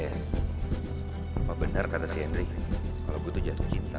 apa benar kata si henry kalau gue tuh jatuh cinta